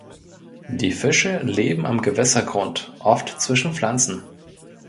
Die Fische leben am Gewässergrund, oft zwischen Pflanzen.